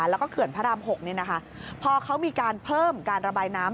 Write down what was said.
แล้วก็เขื่อนพระราม๖เนี่ยนะคะพอเขามีการเพิ่มการระบายน้ำ